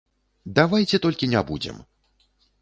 Давайце толькі не будзем!